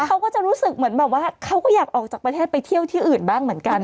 เขาก็จะรู้สึกเหมือนแบบว่าเขาก็อยากออกจากประเทศไปเที่ยวที่อื่นบ้างเหมือนกัน